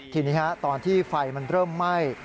ทีนี้ตอนที่ไฟมันเริ่มไหม้